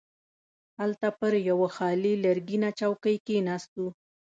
هلته پر یوه خالي لرګینه چوکۍ کښیناستو.